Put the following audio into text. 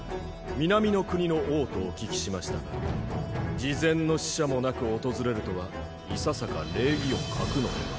南の国の王とお聞きしましたが事前の使者もなく訪れるとはいささか礼儀を欠くのでは？